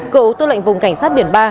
cựu tư lệnh vùng cảnh sát biển ba